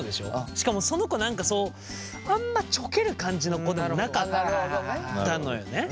しかもその子何かそうあんまちょける感じの子でもなかったのよね。